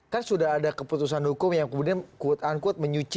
kan sudah ada keputusan hukum yang kemudian menyucikan membersihkan kesalahan kesalahannya